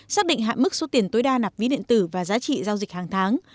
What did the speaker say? xác định hạ mức số tiền tối đa nạp ví điện tử và giá trị giao dịch hàng tháng